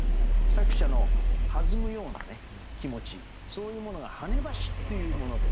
作者の弾むような気持ちそういうものが「跳ね橋」っていうもので。